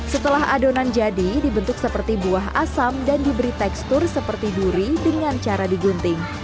setelah adonan jadi dibentuk seperti buah asam dan diberi tekstur seperti duri dengan cara digunting